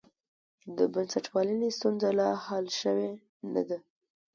د بنسټپالنې ستونزه لا حل شوې نه ده.